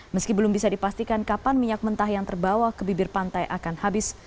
meski belum bisa dipastikan kapan minyak mentah yang terbawa ke bibir pantai akan habis